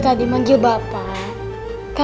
dia nunggu kita